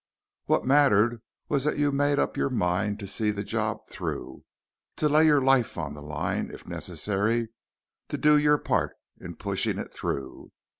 What mattered was that you made up your mind to see the job through to lay your life on the line, if necessary, to do your part in pushing it through.